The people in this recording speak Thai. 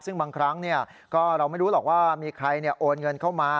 ซึ่งบางครั้งก็เราไม่รู้หรอกว่ามีใครโอนเงินเข้ามา